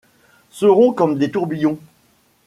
Seront comme des tourbillons.